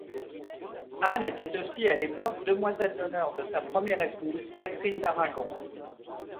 Anne était aussi, à l'époque, demoiselle d'honneur de sa première épouse, Catherine d'Aragon.